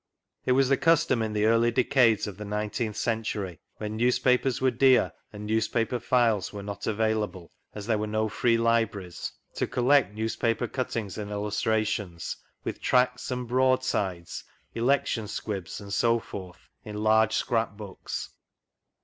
It was the custom iq the early decades of the nineteenth century, when newspapers were dear and newspaper files were not available, as there were no free libraries, to collea newspaper cuttings and illustrations, with tracts and " broadsides," election squibs and so forth, in Urge scrap books.